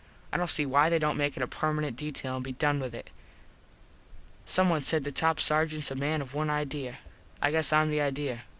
I dont see why they dont make it a permenant detail and be done with it. Someone said the top sargents a man of one idea. I guess Im the idea.